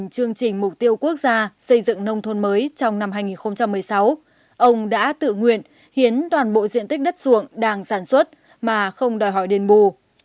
trong năm hai nghìn một mươi sáu ông đã tự nguyện hiến toàn bộ diện tích đất ruộng đang sản xuất mà không đòi hỏi đền bù